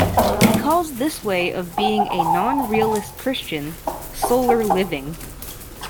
He calls this way of being a non-realist Christian "solar living".